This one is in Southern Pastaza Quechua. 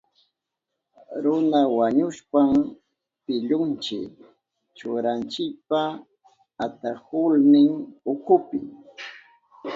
Runa wañushpan pillunchi churananchipa atahulnin ukupi.